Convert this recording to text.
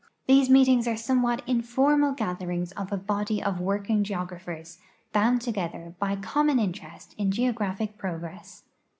These meetings are somewhat informal gatherings of a body of working geographers, bound together by common interest in geographic progress.